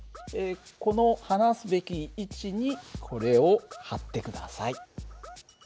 この放すべき位置にこれを貼ってください。